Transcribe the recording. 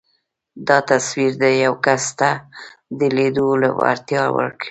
دا تصور يو کس ته د ليدلو وړتيا ورکوي.